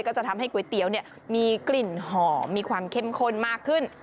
ก็จะทำให้ก๋วยเตี๋ยวมีกลิ่นหอมมีความเข้มข้นมากขึ้น